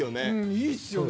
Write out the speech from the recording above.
いいっすよね。